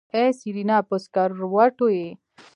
ای سېرېنا په سکروټو يې.